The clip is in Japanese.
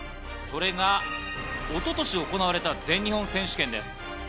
それが一昨年行われた全日本選手権です。